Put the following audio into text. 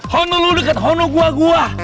honolulu deket hono gua gua